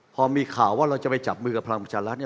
พอมีข่าวว่าเราจะไปจับมือกับพลังประชารัฐ